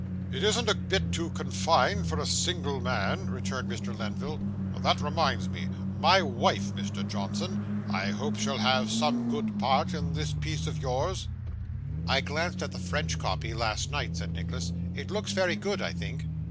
'It isn't a bit too confined for a single man,' returned Mr. Lenville. 'That reminds me, my wife, Mr. Johnson, I hope she'll have some good part in this piece of yours?' 'I glanced at the French copy last night,' said Nicholas. 'It looks very good, I think.